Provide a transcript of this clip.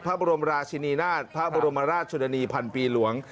พระบรมราชินีนาฏพระบรมราชชนนีพันปีหลวง